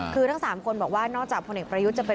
คือทั้ง๓คนบอกว่านอกจากพวงเด็กประยุทธิเชื่อมั่น